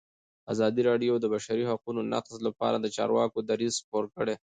ازادي راډیو د د بشري حقونو نقض لپاره د چارواکو دریځ خپور کړی.